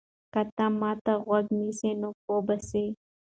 که ته ما ته غوږ سې نو پوه به سې.